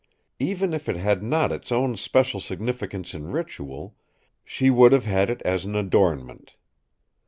Even if it had not its own special significance in ritual, she would have had it as an adornment.